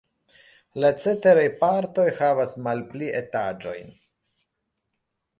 La ceteraj partoj havas malpli etaĝojn.